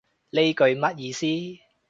呢句乜意思